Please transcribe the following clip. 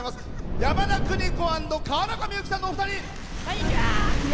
山田邦子＆川中美幸さんのお二人！